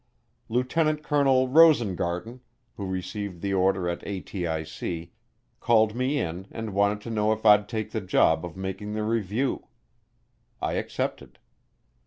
Lieutenant Colonel Rosengarten, who received the order at ATIC, called me in and wanted to know if I'd take the job of making the review. I accepted.